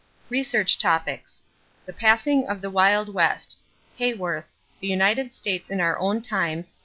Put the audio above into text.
=Research Topics= =The Passing of the Wild West.= Haworth, The United States in Our Own Times, pp.